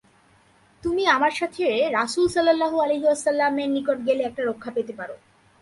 তুমি আমার সাথে রাসূল সাল্লাল্লাহু আলাইহি ওয়াসাল্লাম-এর নিকট গেলে একটা রক্ষা পেতে পার।